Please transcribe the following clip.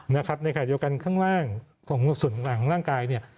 ในข้างเดียวกันข้างล่างของส่วนหลังกาย